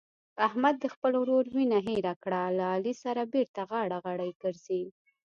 احمد د خپل ورور وینه هېره کړه له علي سره بېرته غاړه غړۍ ګرځي.